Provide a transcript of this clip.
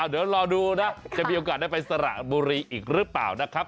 เดี๋ยวรอดูนะจะมีโอกาสได้ไปสระบุรีอีกหรือเปล่านะครับ